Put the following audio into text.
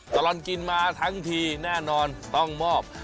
ตลอดกินมาทั้งทีแน่นอนต้องมอบ